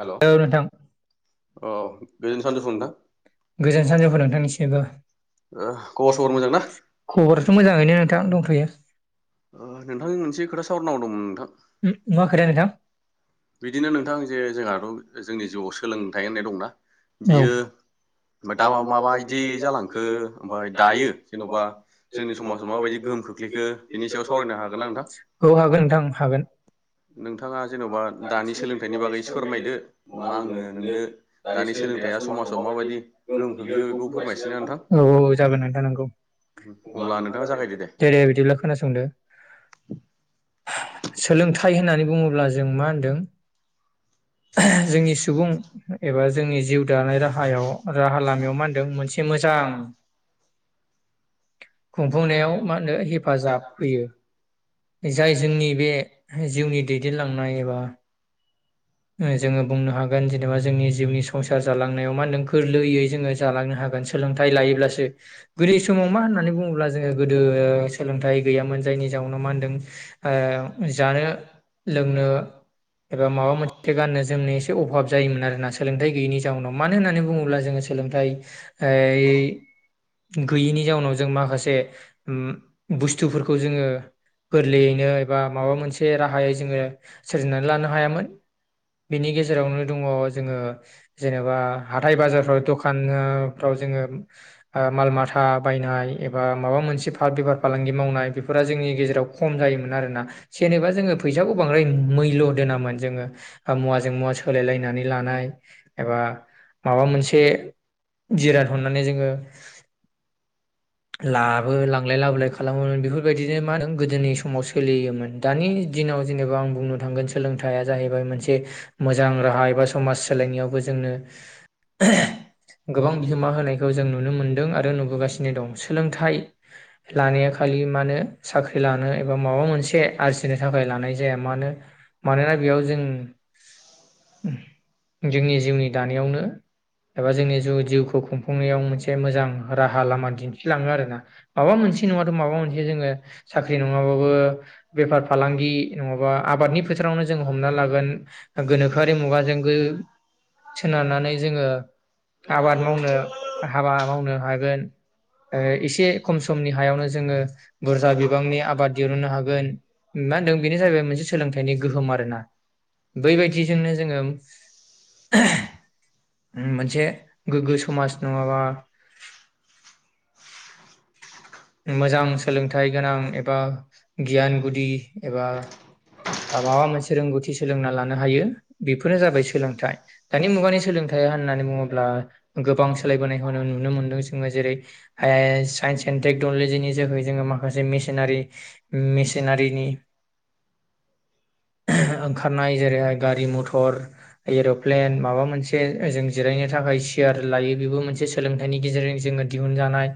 हेल' औ अ नोंथां गोजोन सानजौफु नोंथां गोजोन सानजुफु ओ नोंथांनिसिमबो खबर सबर मोजां ना? खबराथ' मोजाङैनो नोंथां दंथ'यो। ओ नोंथांनि मोनसे खोथा सावरायनाव दंमोन नोंथां। मा खोथा नोंथां बिदिनो नोंथां जे जोंहाथ' जोंनि जिउआव सोलोंथाइ होननाय नोंथां औ। ओमफ्राय दा माबायदि जालांखो ओमफ्राय दायो जेन'बा जोंनि समाजाव माबायदि गोहोम खोख्लैखो बेनि सायाव सावरायनो हागोन ना नोंथां औ हागोन नोंथां हागोन नोंथाङा जेन'बा दानि औ सोलोंथाइनि बागै फोरमायदो नङा आङो नोंनो दानि सोलोंथाइया समाजाव माबायदि गोहोम खोख्लैखो बेखौ फोरमायसैना नोंथां औ औ जागोन नोंथां नंगौ अब्ला नोंथाङा जागायदो दे दे बिदिब्ला' खोनासं सोलोंथाइ होननानै बुङोब्ला जों मा होनदों जोंनि सुबुं एबा जोंनि जिउ दानाय राहायाव-' राहा लामायाव मा होनदों मोनसे मोजां-' खुंफुंनायाव मा होनो हेफाजाब होयो जाय जोंनि बे जिउनि दैदेनलांनाय एबा जोङो बुंनो हागोन जेनेबा जोंनि जिउनि संसार जालांनायाव मा होनदों गोरलैयै जोङो जालांनो हागोन सोलोंथाइ लायोब्लासो गोदोनि समाव मा होननानै बुङोब्ला जोङो गोदो सोलोंथ गैयामोन जायनि जाउनाव मा होनदों ओ जानो लोंनो एबा माबा मोन गाननो जोमनो एसे अभाब जायोमोन आरोना सोलोंथाइ गैयैनि जाउनाव मानो होननानै बुङोब्ला जोङो सोलोंथाइ ओ गैयैनि जाउनाव जों माखासे ए उम बुस्थुफोरखौ जोङो गोरलैयैनो एबा माबा मोनसे राहायै जोङो सोरजिनानै लानो हायामोन। बेनि गेजेरावनो दङ जोङो जेनेबा हाथाय बाजारफ्राव दखानफ्राव जोङो ओ माल माथा बायनाय एबा माबा मोनसे बेफार फालांगि मावनाय बेफोरा जोंनि गेजेराव खम जायोमोन आरोना। जेनेबा जोङो फैसाखौ बांद्राय मैल्य दोनामोन जोङो मुवाजों मुवा सोलायलायनानै लानाय एबा माबा मोनसे जिराद हरनानै जोङो लाबो लांलाय- लाबोलाय खालामोमोन बेफोरबायदिनो मा होन गोदोनि समाव सोलियोमोन दानि दिनाव जेनेबा आं बुंनो थांगोन सोलोंथाइया जाहैबाय मोनसे मोजां राहा एबा समाज सोलायनायावबो जोंनो गोबां बिहोमा होनायखौ जों नुनो मोनदों आरो नुबोगासिनो दं। सोलोंथाइ लानाया खालि मानो साख्रि लानो एबा माबा मोनसे आरजिनो थाखाय लानाय जाया मानो मानोना बेयाव जों जोंनि जिउनि दानायावनो एबा जोंनि जिउखौ खुंफुंनायाव मोनसे मोजां राहा लामा दिन्थि दिनथिलाङो आरोना माबा मोनसे नङाथ' माबा मोनसे जोङो साख्रि नङाबाबो बेफार फालांगि नङाबा आबादनि फोथारावनो जों हमना लागोन गोनोखोआरि मुगाजों सोनारनानै जोङो आबाद मावनो हाबा मावनो हागोन ओ एसे खम समनि हायावनो जोङो बुरजा बिबांनि आबाद दिहुननो हागोन मा होनदों बेनो जाहैबाय मोनसे सोलोंथाइनि गोहोम आरोना बैबायदिजोंनो जोङो उम मोनसे गोग्गो समाज नङाबा [inaudible] मोजां सोलोंथाइ गोनां एबा गियान गुदि एबा माबा मोनसे रोंगौथि सोलोंना लानो हायो बेफोरनो जाबाय सोलोंथाइ दानि मुगानि सोलोंथाइया होननानै बुङोब्ला गोबां सोलायबोनायखौ नुनो मोनदों जोङो जेरै फाय साइन्स एन्ड टेक्न'लजिनि जोहै जोङो माखासे मेसिनारि मेसिनारिनि ओंखारनाय जेरैहाय गारि मथर एर'प्लेन माबा मोनसे जों जिरायनो थाखाय सियार लायो बेबो मोनसे सोलोंथायाइनि गेजेरजों जोङो दिहुनजानाय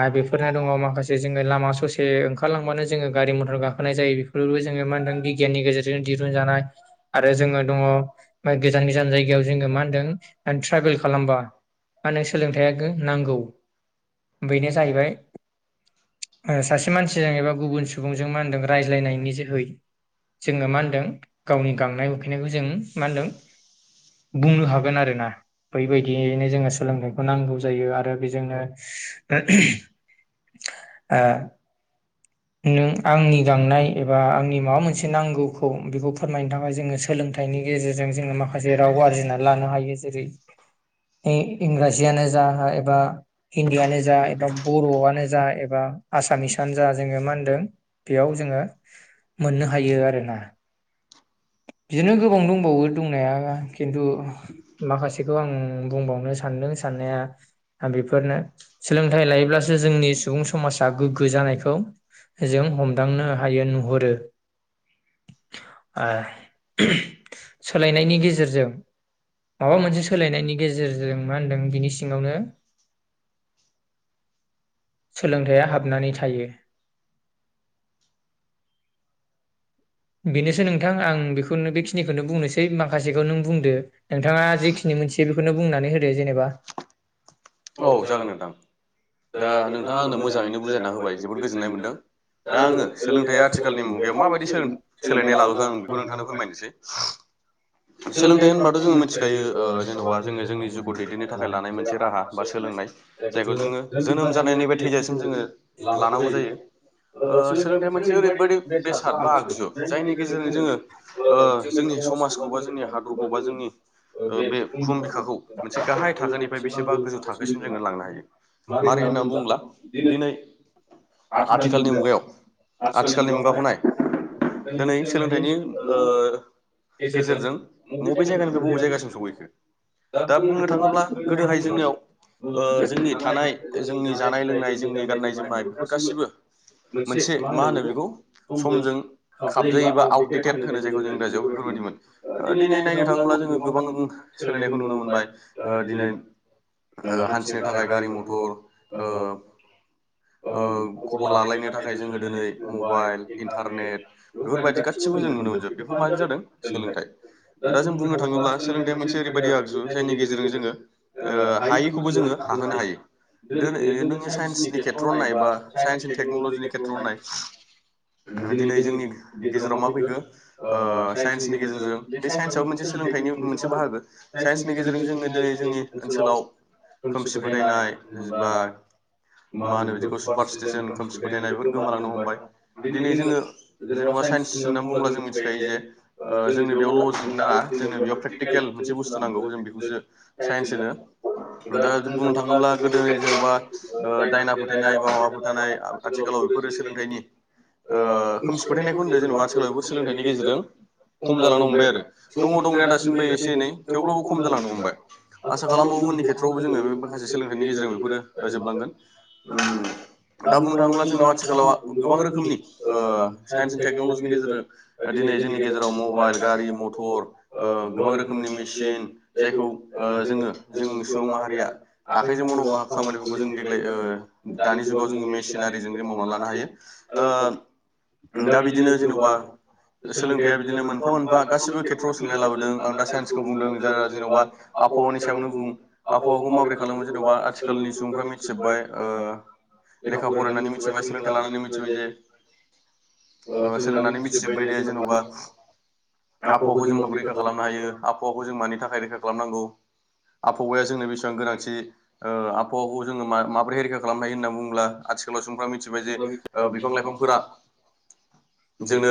आरो बेफोरना दङ माखासे जोङो लामा ससे ओंखारलांबानो जोङो गारि मथर गाखोनाय जायो बेफोरबो जोङो मा होनदों [unintelligible] जों दिहुन जानाय आरो जोङो दङ गोजान गोजान जायगायाव जोङो मा होनदों ट्रेभेल खालामबा मा होनो सोलोंथायाइआ नांगौ बेनो जाहैबाय सासे मानसिजों एबा गुबुन सुबुंजों मा होनदों रायज्लायनायनि जोहै। जोङो मा होनदों गावनि गांनाय उखैनायखौ जों मा होनदों बुंनो हागोन आरोना बैबायदियैनो जोङो सोलोंथाइखौ नांगौ जायो आरो बेजोंनो ओ नों आंनि गांनाय एबा आंनि माबा मोनसे नांगौखौ बेखौ फोरमायनो थाखाय जोङो सोलोंथाइनि गेजेरजों जोङो माखासे राव आरजिनानै लानो हायो जेरै इंराजियानो जा एबा हिन्दीयानो जा एबा बर'आनो जा एबा आसामिसआनो जा। बेयाव जोङो मोननो हायो आरोना बिदिनो गोबां दंबावो दंनाया खिन्थु माखासेखौ आं बुंबावनो सानदों साननाया आं बेफोरनो सोलोंथाइ लायोब्लासो जोंनि सुबुं समाजा गोग्गो जानायखौ जों हमदांनो हायो नुहुरो ओ सोलायनायनि गेजेरजों माबा मोनसे सोलायनायनि गेजेरजों मा होनदों बिनि सिङावनो सोलोंथायाइया हाबनानै थायो। औ बेनोसै नोंथां आं बेखौनो बेखिनिखौनो बुंनोसै माखासेखौ नों बुंदो नोंथाङा जेखिनि मोनथियो बेखौनो बुंनानै होदो जेनेबा जागोन नोंथां दा नोंथाङा आंनो मोजाङैनो बुजायना होबाय जोबोद गोजोननाय मोनदों दा आङो सोलोंथायाइया आथिखालनि मुगायाव माबायदि सोलों सोलायनाय लाबोगोन आं बेखौ नोंथांनो फोरमायनोसै। सोलोंथाइ होनबाथ' जोङो मिथिखायो ओ जेन'बा जोङो जोंनि जिउखौ दैदेननो थाखाय लानाय मोनसे राहा बा सोलोंनाय जायखौ जोङो जोनोम जानायनि बे थैजासिम जोङो लानांगौ जायो ओ सोलोंथाइया मोनसे ओरैबायदि बेसाद बा आगजु। गेजेरजों जोङो ओ जोंनि समाजखौ बा समाजखौबा जोंनि जों हादरखौ बा अबा जोंनि बे बुहुम बिखाखौ मोनसे गाहाय थाखोनिफ्राय बेसेबा गोजौ थाखोसिम जोङो लांनो हायो मारै होननानै बुङोब्ला दिनै आथिखालनि मुगायाव आथिखालनि सोलोंबावनाय मुगाखौनाय दिनै सोलोंथाइनि ओ गेजेरजों मबे जायगानिफ्राय बबे जायगासिम सहैखो दा बुंनो थाङोब्ला गोदोहाय जोंनियाव ओ जोंनि थानाय जोंनि जानाय लोंनाय जोंनि गाननाय जोमनाय बेफोर गासैबो मोनसे मा होनो बेखौ समजों खाबजायो बा आउटडेटेड होनो जायखौ जों इंराजियाव बेफोरबायदिमोन। दिनै नायनो थाङोब्ला जोङो गोबां सोलायनायखौ नुनो मोनबाय दिनै हान्थिनो थाखाय गारि ओ मथर खबर लालायनो थाखाय जोङो दिनै मबाइल इन्टारनेट बेफोरबायदि गासिबो जों नुनो मोनजोब बेफोर मानो जादों सोलोंथाइ। दा जों बुंनो थाङोब्ला सोलोंथाइया मोनसे ओरैबायदि आगजु जायनि गेजेरजों जोङो ओ हायिखौबो जोङो हाहोनो हायो दिनै नोङो साइन्सनि खेथ्रआव नाय बा साइन्स एन्ड टेक्न'लजिनि खेथ्रआव नाय दिनै जोंनि गेजेराव मा फैखो ओ साइन्सनि गेजेरजों बे साइन्सआबो मोनसे सोलोंथाइनि मोनसे बाहागो । साइन्सनि गेजेरजों जोङो दिनै जोंनि ओनसोलाव खोमसि फोथायनाय बा मा होनो बिदिखौ सुपार स्टेसन खोमसि फोथायनाय बेफोर गोमालांनो हमबाय दिनै जोङो जेनेबा साइन्स होननानै बुङोब्ला जों मिथिखायो जे ओ जोंनि बेयाव लजिक नाङा जोंनो बेयाव प्रेकटिकेल मोनसे बुसथु नांगौ जों बेखौसो साइन्स होनो। दा बुंनो थाङोब्ला गोदोनि जेनोबा दाइना फोथायनाय बा माबा फोथायनाय आथिखालाव बेफोर सोलोंथायनि ओ खोमसि फोथायनायखौ होनदो जेनेबा [unintelligible] सोलोंथाइनि गेजेरजों खम जालांनो हमबाय आरो दङ दंनाया दासिमबो एसे एनै थेवब्लाबो खम जालांनो हमबाय आसा खालामबावो उननि खेत्रआवबो जोङो बे माखासे सोलोंथाइनि गेजेराव बेफोरो जोबलांगोन बांगोन दा बुंनो थाङोब्ला जोंनाव आथिखालाव गोबां रोखोमनि ओ साइन्सन एनड टेक्न'लजनि गेजेरजों दिनै जोंनि गेजेराव मबाइल गारि मथर गोबां ओ रोखोमनि मेसिन जायखौ जोङो जों सुबुं माहारिया आखाइजों मावनांगौ खामानिबो जों देग्लाय ओ दानि जुगाव जोङो मेसिनारिजों जों मावनानै लानो हायो ओ दा बिदिनो जेन'बा सोलोंथाइया बिदिनोमोन बा गासिबो खेथ्रआव सोलोंनाय लाबोदों आं दा साइन्सखौ बुंदों ज जेनेबा आबहावानि सायावनो बुं आबहावाखौ माबोरै खालामो जेन'बा आथिखालनि सुबुंफ्रा मिथिजोब्बाय लेखा फरायनानै मिथिजोबबाय सोलोंथाइ लानानै मिथिबाय जे ओ सोलोंनानै मिथिजोबबाय दे जेन'बा आबहावाखौ जों जोंब्लाबो रैखा माबोरै खालामनो हायो आबहावाखौ जों मानि थाखाय रैखा खालामनांगौ आबहावाया जोंनो बेसेबां गोनांथि आबहावाखौ जोङो मा माबोरै रैखा खालामनो हायो होनना बुङोब्ला आथिखालाव मिथिबाय जे बिफां लाइफांफोरा जोंनो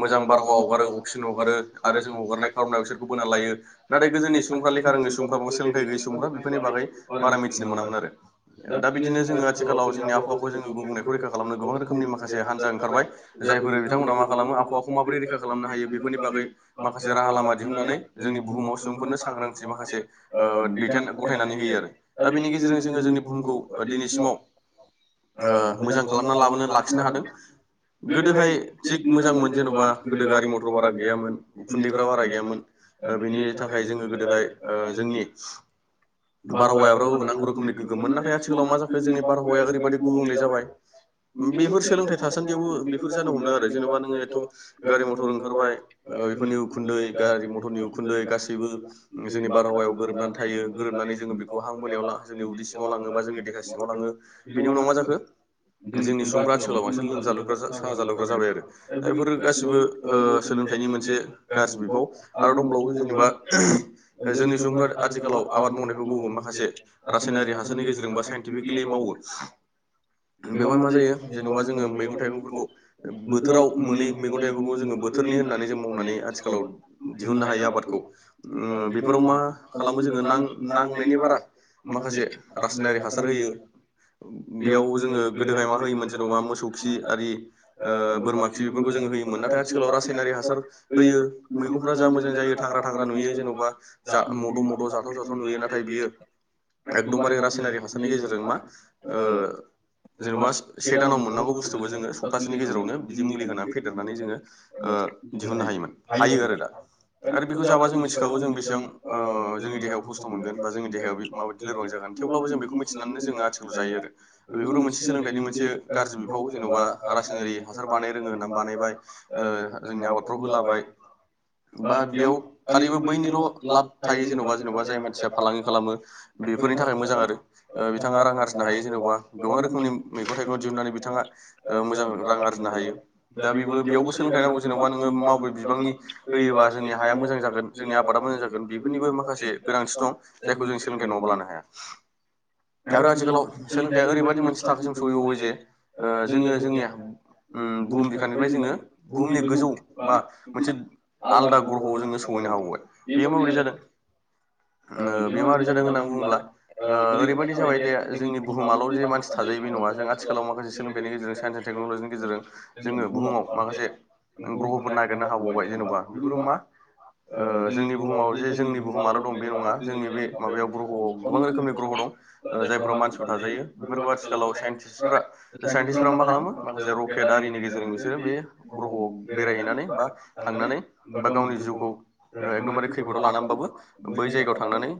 मोजां बारहावा हगारो अक्सिजेन हगारो आरो जों हगारनाय खार'नायाव बिसोरखौ बोना लायो नाथाय गोदोनि सुबुंफ्रा लेखा रोङै सुबुंफ्रा सोलोंथाइ गैयै सुबुंफ्रा बेफोरनि बागै बारा मिथिनो मोनामोन आरो दा बिदिनो जोङो आथिखालाव जोंनि आबहावखौ जों गुब रैखा खालाम गोबां रोखनि मासे हानजानि ओंखारबाय जायफोर बिथांमोनहा मा खालामो आबहावाखौ माबोरै रैखा खालामनो हायो बेफोरनि बागै माखासे राहा लामा दिहुननानै जोंनि बुहुमाव सुबुंफोरनो सांग्रांथि माखासे दैथायेन गथायनानै होयो आरो दा बेनि गेजेरजों जोङो जोंनि बुहुमखौ दिनैसिमाव ओ मोजां खालामना लाबोनो लाखिनो हादों गोदोहाय थिग मोजांमोन जेन'बा गोदो गारि मथर बारा गैयामोन उखुन्दैफ बारा गैयामोन बेनि थाखाय जोङो गोदोहाय जोंनि बारहावायाबो नांगौ रोखोमनि गोगोममोन नाथाय आथिखालाव मा जाखो जोंनि बारहावाया ओरैबायदि गुबुंले जाबाय बेफोर सोलोंथाइ थासानथि थेवबो बेफोर जानो हमदों आरो जेनेबा नोङो एथ' गारि मथर ओंखारबाय बेफोरनि उखुन्दै गारि मथरनि उखुन्दै गासैबो जोंनि बारहावायाव गोरोबनानै थायो गोरोबनानै जोङो बेखौ हां बोनायाव जोंनि उदै सिङाव लाङो बा जोंनि देहा सिङाव लाङो बेनि उनाव मा जाखो जोंनि सुबुंफ्रा आथिखालाव बांसिन लोमजालु साहा जालुग्रा जाबाय आरो दा बेफोरो गासिबो ओ सोलोंथाइनि मोनसे गाज्रि बिफाव आरो दंबावबो जेनेबा जोंनि सुबुंफ्रा आथिखालाव आबाद मावनायखौ मावो माखासे रासायनारि हासारनि गेजेरजोंबा साइन्टिफिकेलि मावो बेवहाय मा जायो जेनेबा जोङो मैगं थाइगं फोरखौ बोथोराव मोनै मैगं थाइगंफोरखौ जोङो बोथोरनि होननानै जों मावनानै आथिखालाव दिहुननो हायो आबादखौ बेफोराव मा खालामो जोङो नांनायनि बारा माखासे रासायनारि हासार होयो बेयाव जोङो गोदोहाय मा होयोमोन जेन'बा मोसौ खि आरि ओ बोरमा खि बेफोरखौ जों होयोमोन नाथाय आथिखालाव रासायनारि हासार होयो मैगंफ्रा जा मोजां जायो थाग्रा थाग्रा नुयो जेन'बा जा मद' मद' जाथाव जाथाव नुयो नाथाय बियो एकदमबारे रासायनारि हासारनि गेजेरजों मा ओ जेबा से दानाव मोनांगौ बुसथुखौ सप्तासेनि गेजेरावनो बिदि मुलि होनानै फेदेरनानै जोङो ओ दिहुननो हायोमोन हायो आरो दा आरो बेखौ जाबा जों मिथिखागौ जों बेसेबां जोंनि देहायाव खस्थ' मोनगोन बा जोंनि देहायाव बे माबायदि लोरबां जागोन थेवब्लाबो जों बेखौ मिथिनानैनो जोङो आथिखालाव जायो आरो बेफोर मोनसे सोलोंथाइनि मोनसे गाज्रि बिफाव जेन'बा रासायनारि हासार बानाय रोङो होननानै बानायबाय जोंनि आबादफ्राव होलाबाय बा बेयाव खालिबो बैनिल' लाब थायो जेन'बा जेनेबा जाय मानसिया फालांगि खालामो बेफोरनि थाखाय थाखायबो मोजां आरो जानांगोन बिथाङा रां आरजिनो हायो जेन'बा गोबां रोखोमनि मैगं थाइगं दिहुननानै बिथाङा मोजां रां आरजिनो हायो दा बेबो बेयावबो सोलोंथाइ नांगौ जेनेबा नोङो मावबै बिबांनि होयोबा जोंनि हाया मोजां जागोन जोंनि आबादा मोजां जागोन बेफोरनिबो माखासे गोनांथि दं जायखौ जों सोलोंथाइ नङाबा लानो हाया आरो आथिखालाव जों दा ओरैबायदि मोनसे थाखोसिम सहैबावबाय जे ओ जोङो जोंनि बुहुम बिखानिफ्राय जोङो बुहुमनि गोजौ बा मोनसे आलदा ग्रह'आव जों जोङो सहैनो सौहैनो हाबावबाय बेयो हाबाय माबोरै बे जादों बे बेमार माबोरै आजार जादों होनना होननानै बुङोब्ला ओरैबायदि जाबाय दे जोंनि बुहुमाल' जे मानसि थाजायो बे नङा जों आथिखालाव माखासे सोलोंथाइनि गेजेरजों साइन्स एन टेक्न'लजिनि गेजेरजों जोङो बुहुमाव माखासे ग्रह'फोर नागिरनो हाबावबाय जेन'बा बेफोरो मा ओ जोंनि बुहुमाव जे जोंनि बुहुमाल' दं बे नङा जोंनि बे माबायाव ग्रह'आव गोबां रोखोमनि ग्रह' दं ओ जायखौ जायफोराव मानसि मानसिफ्रा जायो थाजायो बेफोरखौ आथिखालाव साइन्टिस्टफ्रा साइन्टिस्टफ्रा मा खालामो माखासे रकेट आरिनि गेजेरजों बिसोरो बे ग्रह'आव बेरायहैनानै बा थांनानै बा गावनि जिउखौ एकदमबारे खैफोदाव लानानैबाबो बै जायगायाव थांनानै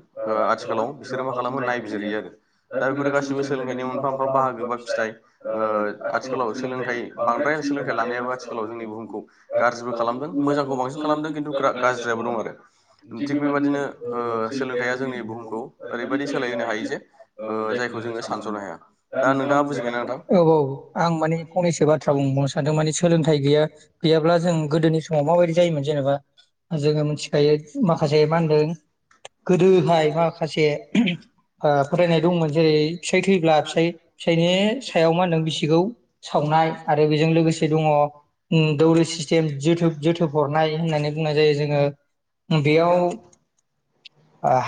आथिखालाव बिसोरो मा खालामो नायबिजिरहैयो आरो दा बेफोर गासैबो सोलोंथाइ मोनफा मोनफा बाहागो बा फिथाइ ओ आथिखालाव सोलोंथाइ बांद्राय सोलोंथाइ लानायाबो आथिखालाव जोंनि बुहुमखौ गाज्रिबो खालामदों मोजांखौ बांसिन खालामदों खिन्थु गाज्रियाबो दं आरो थिग बेबायदिनो सोलोंथाइया जोंनि बुहुमखौ ओरैबायदि सोलाय होनो हायो जे ओ जायखौ जोङो सानस'नो हाया दा नोंथाङा बुजिबायना नोंथां आं माने फंनैसो बाथ्रा बुंबावनो सानदों माने सोलोंथाइ थाइ गैया गैयाब्ला जों गोदोनि समाव माबायदि जायोमोन जेनेबा जोङो मिथिखायो माखासे मा होनदों गोदोहाय माखासे ओहोम आ होननाय दंमोन जेरै फिसाइ थैब्ला फिसाय फिसायनि सायाव मा होनदों बिसिखौ सावनाय आरो बेजों लोगोसे दङ ओम दौरि सिस्टेम जोथोब जोथोब हरनाय होननानै बुंनाय जायो बेयाव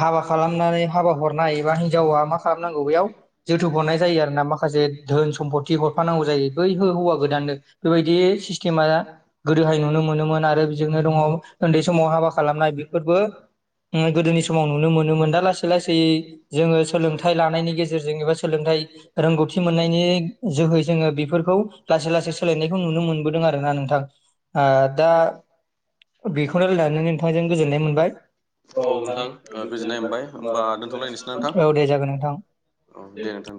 हाबा खालामनानै हाबा हरनाय एबा हिन फोरा मा खालामनांगौ बैयाव जोथोब हरनाय जायो आरो ना माखासे धोन सम्पद हरफांगौ जायो बै हो हौवा गोदान बेबायदि सिस्तेमा गोदोहाय नुनो मोनोमोन आरो बेजोंनो दङ समाव हाबा खालामनाय बेफोरबो ओम गोदोनि समाव नुनो मोनोमोन दा लासै लासै जोङो सोलोंथाइ लानायनि गेजेरजों एबा सोलोंथाइ रोंगौथि मोननायनि जोहै जोङो बेफोरखौ लासै लासै सोलायनायखौ नुनो मोनबोदों आरोना नोंथां आ दा फन रायलायनानै नोंथांजों गोजोननाय मोनबाय औ नोंथां ओ गोजोननाय मोनबाय होनबा होमबा दोनथलायनिसै दोनथ'लायनोसै ना नोंथां औ दे जागोन औ दे नोंथां नोंथां